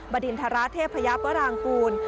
บรรดินธราเทพพระยาปรางกูล